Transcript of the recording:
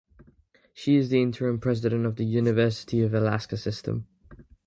She is the interim president of the University of Alaska system.